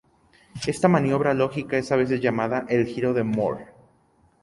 Esta maniobra lógica es a veces llamada el "giro de Moore".